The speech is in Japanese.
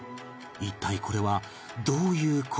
一体これはどういう事なのか？